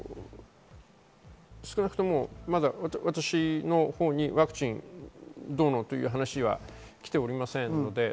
少なくとも私のほうにワクチンどうのという話は来ておりません。